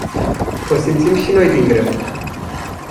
O simțim și noi din greu.